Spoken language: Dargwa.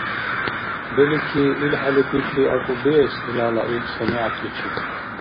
Белики, илхӀели пикри акӀуб биэс илала ил санигӀятличи.